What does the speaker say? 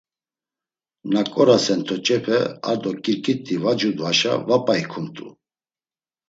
Na ǩorasen toç̌epe ar do ǩirǩit̆i var cudvaşa va p̌a ikumt̆u.